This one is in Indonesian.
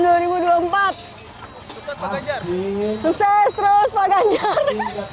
sukses terus pak ganjar